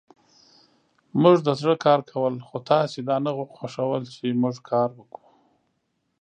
موژدزړه کارکول خوتاسی دانه خوښول چی موژکاروکوو